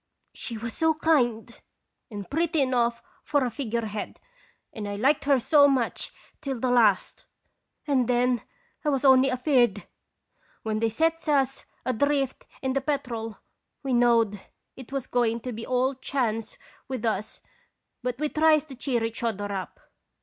She was so kind, and pretty enough for a figure head, and I liked her so much till the last, and then I was only afeard. When they sets us adrift in the Petrel we knowed it was going to be all chance with us, but we tries to cheer each other up.